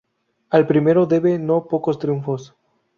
Al primero debe no pocos triunfos.